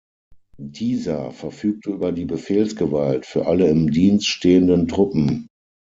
Dieser verfügte über die Befehlsgewalt für alle im Dienst stehenden Truppen.